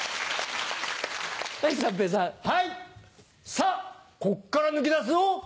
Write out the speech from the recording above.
さぁこっから抜け出すぞ！